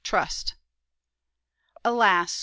"TRUST." "Alas!